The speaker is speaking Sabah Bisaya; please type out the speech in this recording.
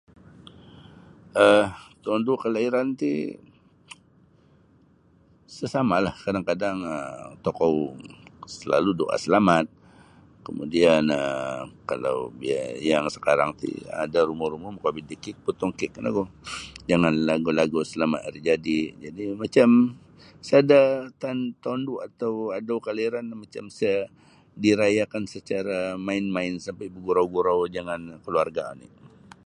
um Tondu' kelairan ti sa samalah kadang-kadang um tokou selalu doa selamat kemudian um kalau biai yang sekarang ti ada rumo-rumo makaobit da kek potong kek nogu jangan lagu-lagu selamat hari jadi jadi macam sada tondu' atau adau kelairan ti macam sa dirayakan secara main-main sambil bergurau-gurau jangan keluarga oni.